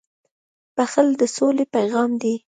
• بښل د سولې پیغام دی.